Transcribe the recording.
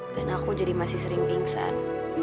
dan aku jadi masih sering pingsan